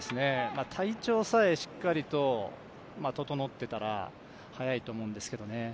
体調がしっかり整っていたら速いと思うんですけどね。